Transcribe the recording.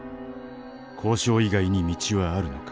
交渉以外に道はあるのか。